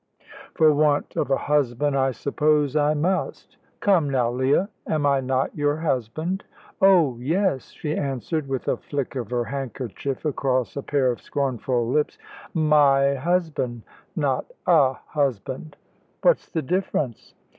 "For want of a husband I suppose I must." "Come now, Leah. Am I not your husband?" "Oh yes!" she answered, with a flick of her handkerchief across a pair of scornful lips: "my husband, not a husband." "What's the difference?"